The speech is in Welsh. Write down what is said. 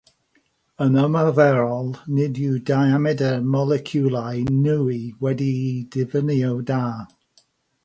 Yn ymarferol, nid yw diamedr moleciwlau nwy wedi'i ddiffinio'n dda.